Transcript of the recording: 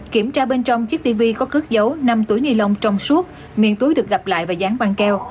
kiểm tra bên trong chiếc tv có cước dấu năm tuổi nhi lông trong suốt miền túi được gặp lại và dán băng keo